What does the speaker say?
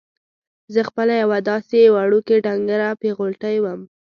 زه خپله یوه داسې وړوکې ډنګره پېغلوټې وم.